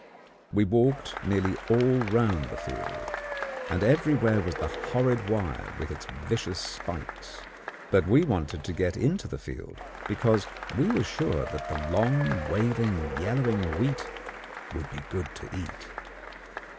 We walked nearly all round the field, and everywhere was the horrid wire with its vicious spikes. But we wanted to get into the field because we were sure that the long, waving, yellowing wheat would be good to eat.